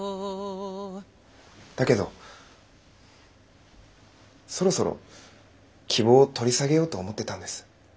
だけどそろそろ希望を取り下げようと思ってたんです。